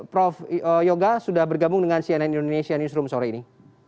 prof yoga sudah bergabung dengan cnn indonesia newsroom sore ini